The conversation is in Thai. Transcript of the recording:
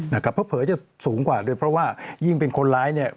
เพราะเผยจะสูงกว่าด้วยเพราะว่ายิ่งเป็นคนร้าย